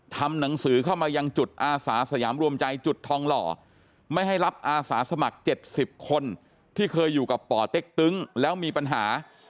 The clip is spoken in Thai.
ทำหนังสือเข้ามายังจุดอาสาสยามรวมใจจุดทองหล่อไม่ให้รับอาสาสมัคร๗๐คนที่เคยอยู่กับป่อเต็กตึ้งแล้วมีปัญหา